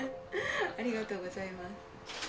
ありがとうございます。